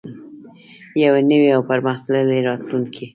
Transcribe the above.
یو نوی او پرمختللی راتلونکی.